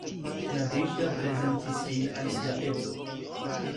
Nadeĵda prezentis lin al sia edzo.